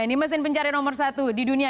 ini mesin pencari nomor satu di dunia